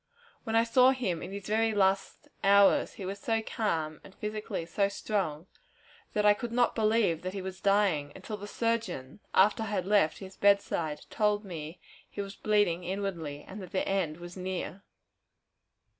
When I saw him in his very last hours, he was so calm, and physically so strong, that I could not believe that he was dying, until the surgeon, after I had left his bedside, told me he was bleeding inwardly, and that the end was near.